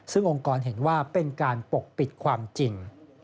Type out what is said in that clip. ซึ่งองค์กรเห็นว่าเป็นการปกปิดความจริง